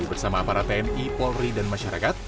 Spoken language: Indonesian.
bersama aparat tni polri dan masyarakat